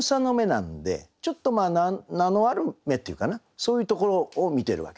なんでちょっと名のある芽っていうかなそういうところを見てるわけですね。